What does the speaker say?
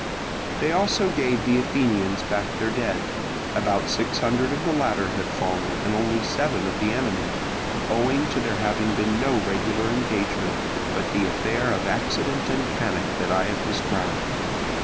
They also gave the Athenians back their dead. About six hundred of the latter had fallen and only seven of the enemy, owing to there having been no regular engagement, but the affair of accident and panic that I have described.